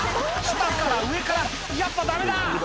下から上からやっぱダメだ！」